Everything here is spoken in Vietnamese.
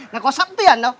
là có sẵn tiền đâu